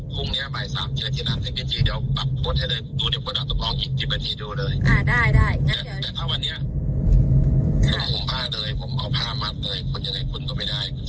คนยังไงขึ้นก็ไม่ได้คุณเชื่อผม